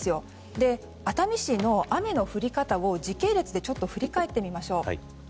熱海市の雨の降り方を時系列で振り返ってみましょう。